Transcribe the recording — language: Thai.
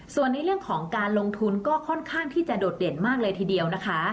ส่วนในเรื่องของการลงทุนก็ค่อนข้างที่จะโดดเด่นมากเลยทีเดียวนะคะ